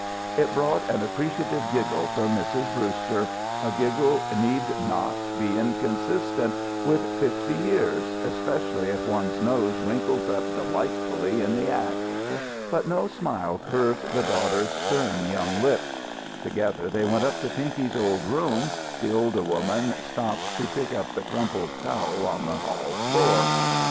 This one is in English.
It brought an appreciative giggle from Mrs. Brewster. A giggle need not be inconsistent with fifty years, especially if one's nose wrinkles up delightfully in the act. But no smile curved the daughter's stern young lips. Together they went up to Pinky's old room (the older woman stopped to pick up the crumpled towel on the hall floor).